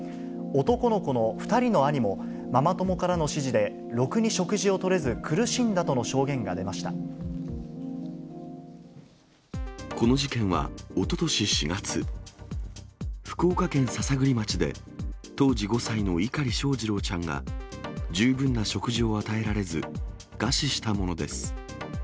男の子の２人の兄も、ママ友からの指示でろくに食事をとれず、苦しんだとの証言が出まこの事件は、おととし４月、福岡県篠栗町で、当時５歳の碇翔士郎ちゃんが、十分な食事を与えられず、餓死したものです。